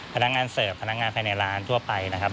พนักงานเสิร์ฟพนักงานภายในร้านทั่วไปนะครับ